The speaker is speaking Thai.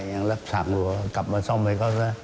ยังรับสั่งรั้วกลับมาซ่อมไปก็